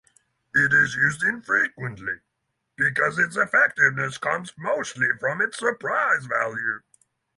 It is used infrequently, because its effectiveness comes mostly from its surprise value.